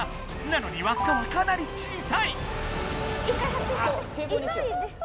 なのにわっかはかなり小さい！